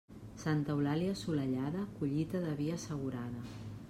Santa Eulàlia assolellada, collita de vi assegurada.